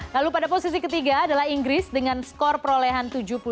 lalu pada posisi ketiga adalah inggris dengan skor perolehan tujuh puluh satu